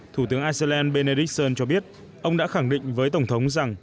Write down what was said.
thủ tướng iceland benericson cho biết ông đã khẳng định với tổng thống rằng